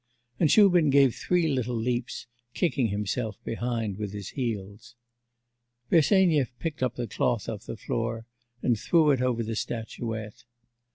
And Shubin gave three little leaps, kicking himself behind with his heels. Bersenyev picked up the cloth off the floor and threw it over the statuette.